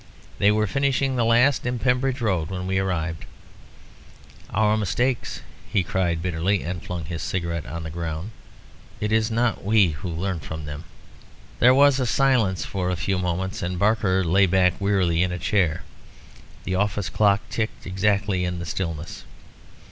They were finishing the last, in Pembridge Road, when we arrived. Our mistakes," he cried bitterly, and flung his cigarette on the ground. "It is not we who learn from them." There was a silence for a few moments, and Barker lay back wearily in a chair. The office clock ticked exactly in the stillness.